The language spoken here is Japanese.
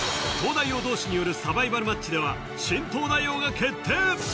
東大王同士によるサバイバルマッチでは新東大王が決定